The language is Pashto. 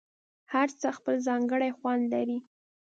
هر څه خپل ځانګړی خوند لري.